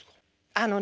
あのね